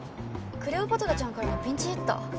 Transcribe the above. クレオパトラちゃんからのピンチヒッター？